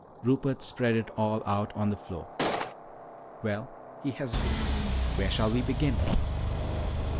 Rupert spread it all out on the floor. "Well," he hesitated, "where shall we begin?"